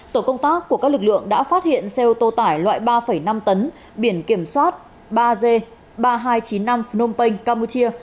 tổ công tác của các lực lượng đã phát hiện xe ô tô tải loại ba năm tấn biển kiểm soát ba g ba nghìn hai trăm chín mươi năm phnom penh campuchia